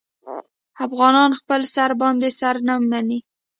افغانان خپل سر باندې سر نه مني.